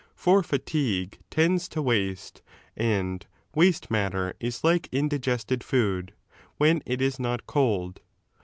For fatigue tends to waste, and 57 fl waste matter is like indigested food, when it is not cold.